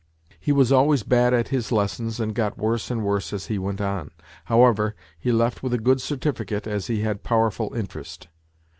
He was always bad at his lessons and got worse and worse as he went on ; however, he left with a good certificate, as he had powerful interest.